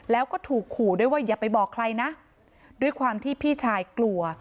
แล้วก็ถูกขู่ด้วยว่าอย่าไปบอกใครนะด้วยความที่พี่ชายกลัว